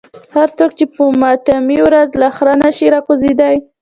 هر څوک چې په ماتمي ورځ له خره نشي راکوزېدای.